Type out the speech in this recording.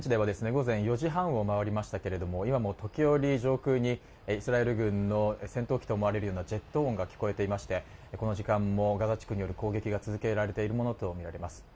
午前４時半を回りましたけれども今も時折上空にイスラエル軍の戦闘機と思われるようなジェット音が聞こえていましてこの時間もガザ地区による攻撃が続けられているものとみられます